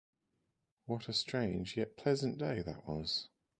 What a strange, yet pleasant day that was!